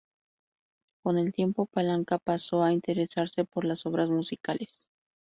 Con el tiempo, Palanca pasó a interesarse por las obras musicales.